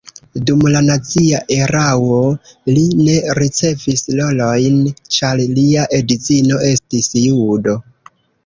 Dum la nazia erao li ne ricevis rolojn, ĉar lia edzino estis judo.